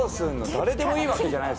誰でもいいわけじゃないですもんね。